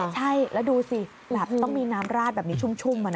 ใช่แล้วดูสิต้องมีน้ำราดแบบนี้ชุ่มอ่ะนะ